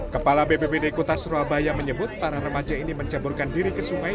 kepala bbbd kutas ruabaya menyebut para remaja ini mencaburkan diri ke sungai